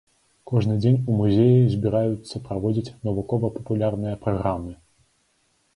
Кожны дзень у музеі збіраюцца праводзіць навукова-папулярныя праграмы.